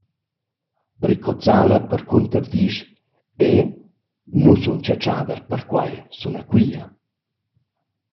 Rico Zala percunter disch: «Eu nu sun chatschader, perquai suna quia.»